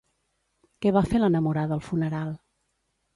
Què va fer l'enamorada al funeral?